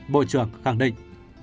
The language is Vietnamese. bộ trưởng khẳng định